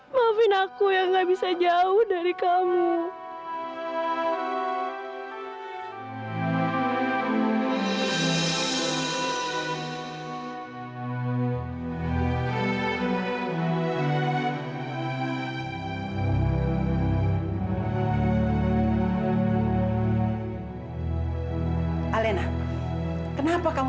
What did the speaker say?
maafin aku yang gak bisa jauh dari kamu